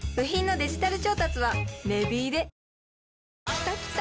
きたきた！